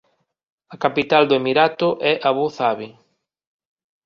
A capital do emirato é Abu Zabi.